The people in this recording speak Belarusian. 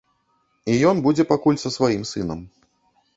І ён будзе пакуль са сваім сынам.